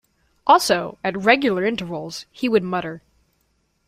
Also, at regular intervals, he would mutter.